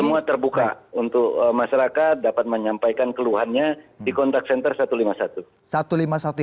jadi semua terbuka untuk masyarakat dapat menyampaikan keluhannya di kontak senter satu ratus lima puluh satu